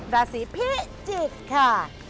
ราศีพิจิกค่ะ